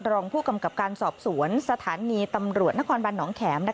รองผู้กำกับการสอบสวนสถานีตำรวจนครบันหนองแขม